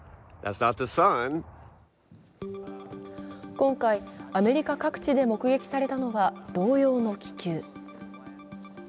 今回、アメリカ各地で目撃されたのは同様の気球。